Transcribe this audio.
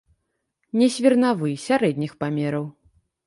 Не свірнавы, сярэдніх памераў.